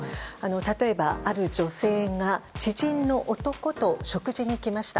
例えば、ある女性が知人の男と食事に行きました。